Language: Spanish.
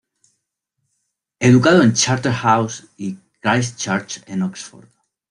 Educado en Charterhouse y Christchurch, en Oxford.